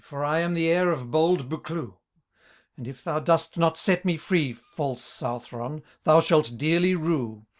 For I am the heir of hold Buccleuch ; And, if thou dost not set me free. False Southron, thou shalt dearly rue